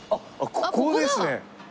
ここですね。